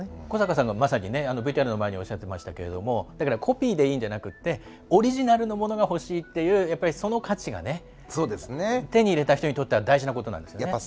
古坂さんがまさにＶＴＲの前におっしゃってましたけどコピーでいいんじゃなくてオリジナルのものがほしいというその価値が手に入れた人にとっては大事なことですよね。